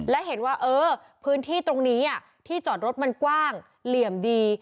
และเห็นว่าเออพื้นที่ตรงนี้ที่จอดรถมันกว้างเหลี่ยมดี